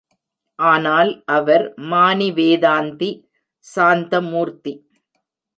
ஆனால், அவர் மானி வேதாந்தி சாந்தமூர்த்தி.